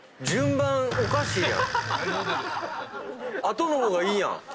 後の方がいいやん！